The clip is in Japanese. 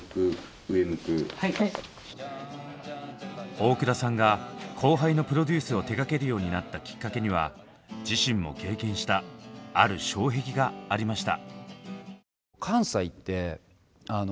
大倉さんが後輩のプロデュースを手がけるようになったきっかけには自身も経験したある障壁がありました。